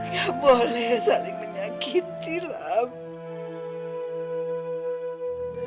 gak boleh saling menyakiti mak